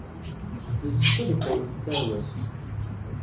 Yessefk ad iqewwet tarwa-s.